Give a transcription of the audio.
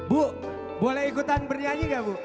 bu boleh ikutan bernyanyi gak bu